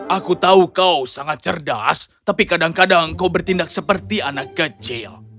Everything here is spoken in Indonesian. aku tahu kau sangat cerdas tapi kadang kadang kau bertindak seperti anak kecil